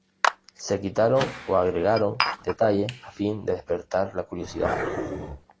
Se quitaron o agregaron detalles a fin de despertar la curiosidad.